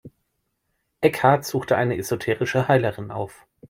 Eckhart suchte eine esoterische Heilerin auf.